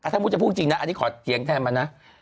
ถ้ามุติจะพูดจริงนะอันนี้ขอเถียงแทนมานะ